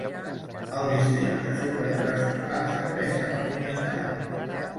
El Districte Superior Escolar serveix a la comunitat.